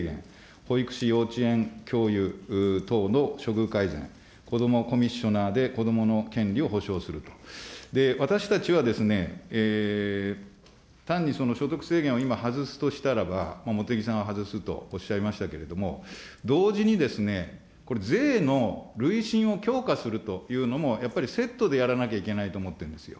保育士・幼稚園教諭等の処遇改善、子どもコミッショナーで子どもの権利を保障する、私たちはですね、単にその所得制限を今、外すとしたらば、茂木さんは外すとおっしゃいましたけれども、同時にですね、これ税の累進を強化するというのも、やっぱりセットでやらなきゃいけないと思ってるんですよ。